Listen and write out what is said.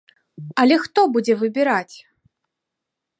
Але хто будзе выбіраць?